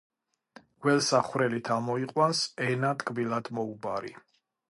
გველსა ხვრელით ამოიყვანს ენა ტკბილად მოუბარი.